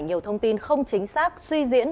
nhiều thông tin không chính xác suy diễn